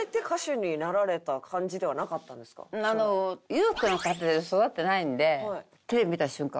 裕福な家庭で育ってないんでテレビ見た瞬間